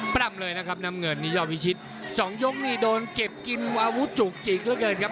ปรับเลยนะครับน้ำเงินนี่ยอดวิชิตสองยกนี่โดนเก็บกินอาวุธจุกจิกเหลือเกินครับ